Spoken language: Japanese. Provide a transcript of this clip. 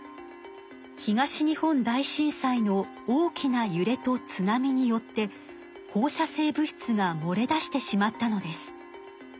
東日本大震災の大きなゆれと津波によって放射性物質がもれ出してしまったのです。